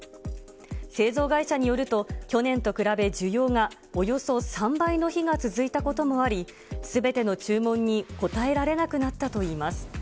製造会社によると、去年と比べ需要がおよそ３倍の日が続いたこともあり、すべての注文に応えられなくなったといいます。